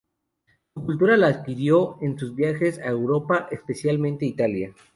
Su cultura la adquirió en sus viajes a Europa, especialmente Italia.